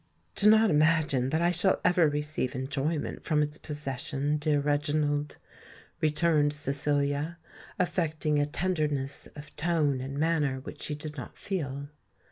"Do not imagine that I shall ever receive enjoyment from its possession, dear Reginald," returned Cecilia, affecting a tenderness of tone and manner which she did not feel.